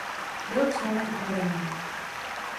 Byl členem Akademie.